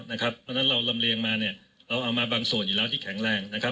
เพราะฉะนั้นเราลำเรียงมาเนี่ยเราเอามาบางส่วนอยู่แล้วที่แข็งแรงนะครับ